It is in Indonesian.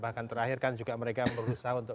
bahkan terakhir kan juga mereka berusaha untuk